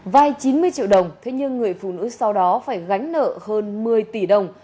vay chín mươi triệu đồng thế nhưng người phụ nữ sau đó phải gánh nợ hơn một mươi tỷ đồng